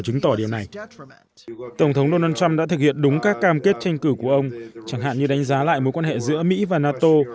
tổng thống donald trump đã thực hiện đúng các cam kết tranh cử của ông chẳng hạn như đánh giá lại mối quan hệ giữa mỹ và nato